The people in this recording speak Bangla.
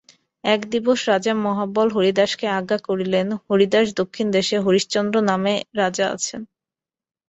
এক দিবস রাজা মহাবল হরিদাসকে আজ্ঞা করিলেন হরিদাস দক্ষিণ দেশে হরিশ্চন্দ্র নামে রাজা আছেন।